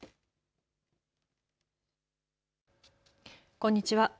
こんにちは。